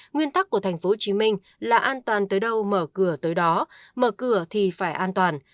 nguyên tắc của tp hcm là an toàn tới đâu mở cửa tới đó mở cửa thì phải an toàn